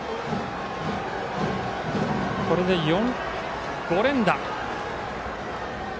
これで５連打！